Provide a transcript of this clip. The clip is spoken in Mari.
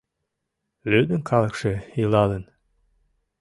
Лӱдын калыкше илалын;